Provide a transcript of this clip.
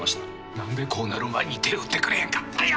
何でこうなる前に手打ってくれんかったんや。